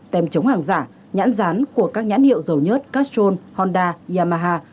tem chống hàng giả nhãn rán của các nhãn hiệu dầu nhớt castrol honda yamaha